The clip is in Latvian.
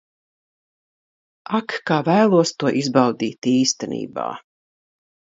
Ak, kā vēlos to izbaudīt īstenībā.